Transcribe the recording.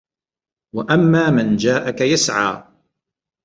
وَأَمّا مَن جاءَكَ يَسعى